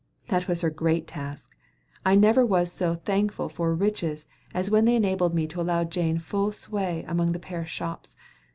That was her great task. I never was so thankful for riches as when they enabled me to allow Jane full sway among the Paris shops.